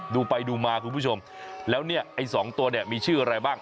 ดูไปดูมาคุณผู้ชมแล้วเนี่ยไอ้สองตัวเนี่ยมีชื่ออะไรบ้าง